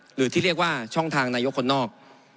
หรือที่เรียกว่าช่องทางนายกคนนอก